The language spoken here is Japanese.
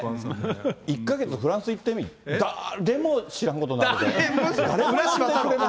１か月フランス行ってみ、だーれも知らんことになるで。